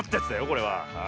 これは。